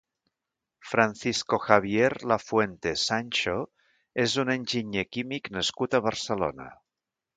Francisco Javier Lafuente Sancho és un enginyer químic nascut a Barcelona.